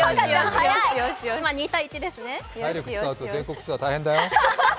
体力使うと全国ツアー大変だよ。